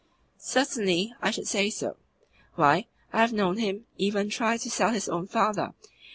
"CERTAINLY I should say so. Why, I have known him even try to sell his own father!